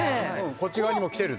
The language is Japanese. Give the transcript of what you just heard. こっち側にもきてるね。